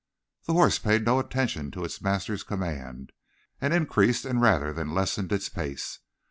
The horse paid no attention to its master's command, and increased rather than lessened its pace.